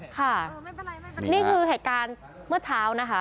ค่ะนี่คือเหตุการณ์เมื่อเช้านะคะ